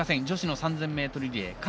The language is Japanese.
女子の３０００ｍリレー